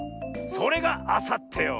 それがあさってよ。